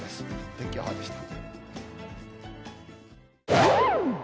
天気予報でした。